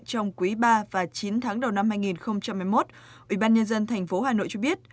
trong quý ba và chín tháng đầu năm hai nghìn một mươi một ubnd tp hà nội cho biết